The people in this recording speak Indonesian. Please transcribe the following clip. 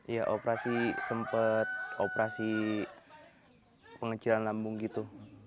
iya operasi sempat operasi pengecilan lambung gitu